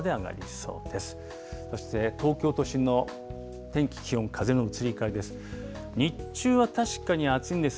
そして、東京都心の天気、気温、風の移り変わりです。